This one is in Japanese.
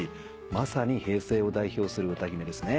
まさに平成を代表する歌姫ですね。